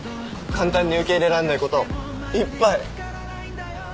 簡単に受け入れらんないこといっぱい。